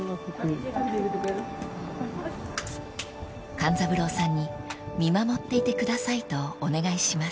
［勘三郎さんに見守っていてくださいとお願いします］